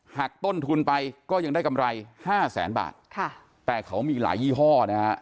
ต้นทุนไปก็ยังได้กำไรห้าแสนบาทค่ะแต่เขามีหลายยี่ห้อนะฮะ